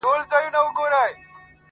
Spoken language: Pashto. • داسي ډېر کسان پردي غمونه ژاړي -